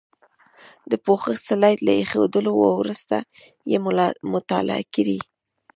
د پوښښ سلایډ له ایښودلو وروسته یې مطالعه کړئ.